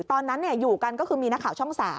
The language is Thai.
ตอนนั้นอยู่กันก็คือมีนักข่าวช่อง๓